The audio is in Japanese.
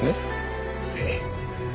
ええ。